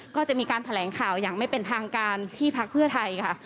ก็จะมีการแถลงข่าวอย่างไม่เป็นทางการที่พักเพื่อไทยค่ะ